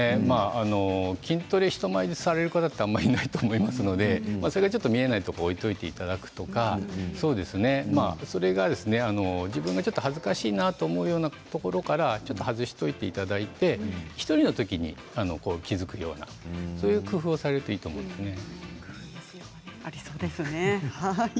筋トレを人前でされる方はあまりいないと思いますので、ちょっと見えないところに置いておいていただくとか自分がちょっと恥ずかしいなと思うようなところから外しておいていただいて１人のときに、気付くようなそういう工夫をされるといいと思いますね。